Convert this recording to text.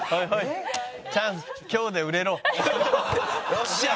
よっしゃー！